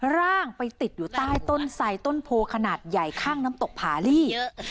ร่างไปติดอยู่ใต้ต้นไสต้นโพขนาดใหญ่ข้างน้ำตกผาลี่